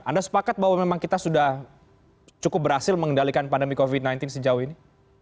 anda sepakat bahwa memang kita sudah cukup berhasil mengendalikan pandemi covid sembilan belas sejauh ini